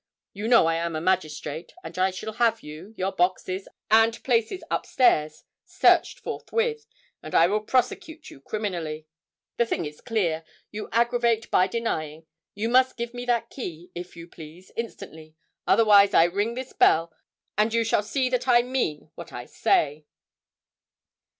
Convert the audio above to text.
You know I am a magistrate; and I shall have you, your boxes, and places up stairs, searched forthwith, and I will prosecute you criminally. The thing is clear; you aggravate by denying; you must give me that key, if you please, instantly, otherwise I ring this bell, and you shall see that I mean what I say.'